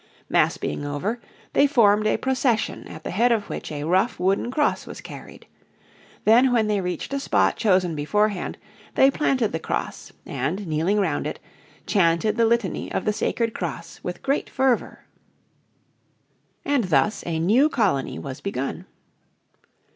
Mass being over, they formed a procession at the head of which a rough wooden cross was carried. Then when they reached a spot chosen beforehand they planted the cross, and, kneeling round it, chanted the Litany of the Sacred Cross with great fervour. And thus a new colony was begun.